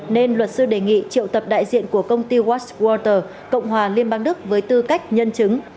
nên luật sư đề nghị triệu tập đại diện của công ty watch waters cộng hòa liên bang đức với tư cách nhân chứng